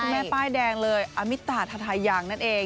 แม่ป้ายแดงเลยอมิตาทาทายังนั่นเอง